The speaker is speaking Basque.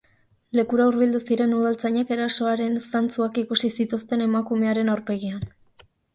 Lekura hurbildu ziren udaltzainek erasoaren zantzuak ikusi zituzten emakumearen aurpegian.